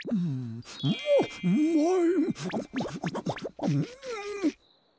うわうまい。